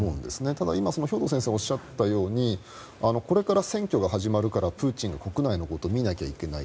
ただ、今、兵頭先生がおっしゃったようにこれから選挙が始まるからプーチンが国内のことを見なければいけない。